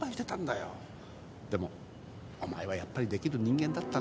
でもお前はやっぱりできる人間だったね。